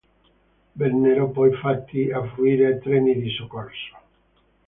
Vennero poi fatti affluire treni di soccorso.